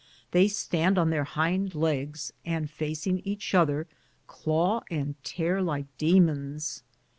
They stand on their hind legs and, facing each other, claw and tear like demons.